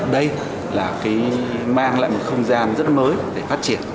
đây mang lại một không gian rất mới để phát triển